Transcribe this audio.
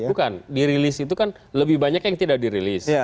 bukan dirilis itu kan lebih banyak yang tidak dirilis